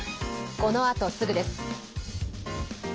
このあとすぐです。